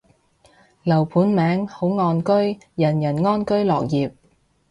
樓盤名，好岸居，人人安居樂業